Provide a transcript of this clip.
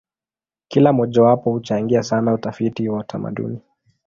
Kila mojawapo huchangia sana utafiti wa utamaduni.